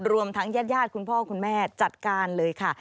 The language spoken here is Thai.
รวมทั้งญาติคุณพ่อคุณแม่จัดการเลยค่ะ